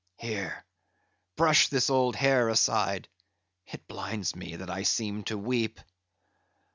Here, brush this old hair aside; it blinds me, that I seem to weep.